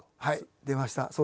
はい出ました。